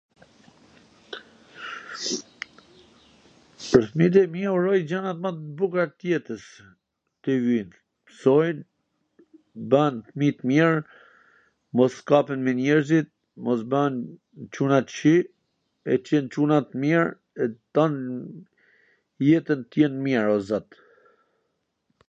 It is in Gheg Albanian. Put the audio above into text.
Pwr fmijt e mi uroj gjanat ma t bukura tw jetws, tw msojn, t bahen fmij t mir, mos kapen me njerzit, mos bwhen Cuna t kwqij, e t jen Cuna t mir, tan jetwn t jen mir, o Zot!